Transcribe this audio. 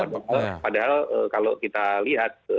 padahal kalau kita lihat